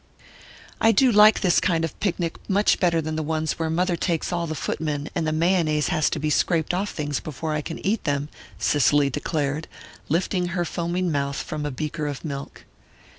"I do like this kind of picnic much better than the ones where mother takes all the footmen, and the mayonnaise has to be scraped off things before I can eat them," Cicely declared, lifting her foaming mouth from a beaker of milk.